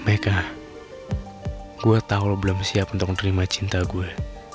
aku tak bisa aku cuma mau nunggu lo